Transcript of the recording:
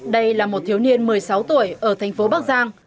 đây là một thiếu niên một mươi sáu tuổi ở thành phố bắc giang